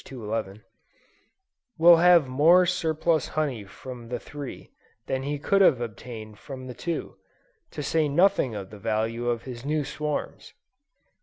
211,) will have more surplus honey from the three, than he could have obtained from the two, to say nothing of the value of his new swarms.